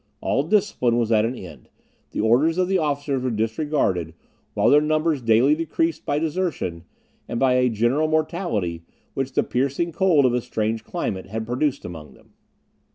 All discipline was at an end; the orders of the officers were disregarded, while their numbers daily decreased by desertion, and by a general mortality, which the piercing cold of a strange climate had produced among them.